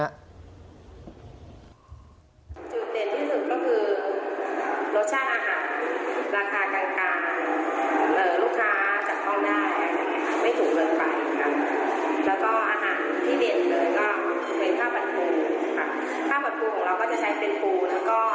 จุดเด่นที่สุดก็คือรสชาติอาหารราคาการการ